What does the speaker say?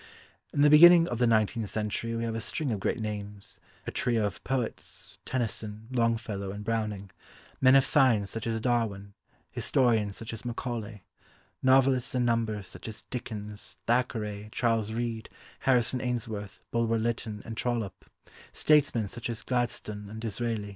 In the beginning of the nineteenth century we have a string of great names; a trio of poets: Tennyson, Longfellow, and Browning; men of science such as Darwin; historians such as Macaulay; novelists in numbers, such as Dickens, Thackeray, Charles Reade, Harrison Ainsworth, Bulwer Lytton, and Trollope; statesmen such as Gladstone and Disraeli.